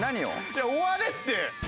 いや終われって！